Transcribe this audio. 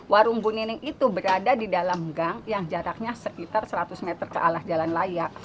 warung bu nining itu berada di dalam gang yang jaraknya sekitar seratus meter ke alah jalan raya